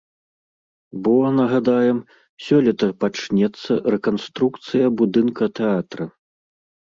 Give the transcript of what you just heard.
Бо, нагадаем, сёлета пачнецца рэканструкцыя будынка тэатра.